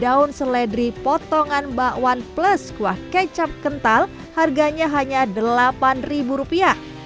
daun seledri potongan bakwan plus kuah kecap kental harganya hanya delapan rupiah